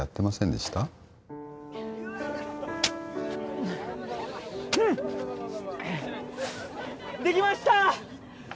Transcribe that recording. できました！